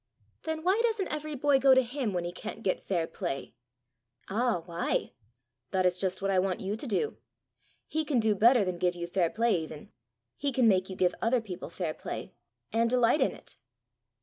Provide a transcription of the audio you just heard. "Then why doesn't every boy go to him when he can't get fair play?" "Ah, why? That is just what I want you to do. He can do better than give you fair play even: he can make you give other people fair play, and delight in it."